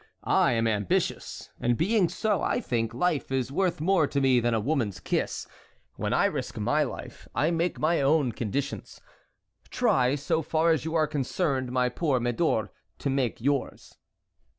I am ambitious, and being so, I think life is worth more to me than a woman's kiss. When I risk my life, I make my own conditions. Try, so far as you are concerned, my poor Medor, to make yours."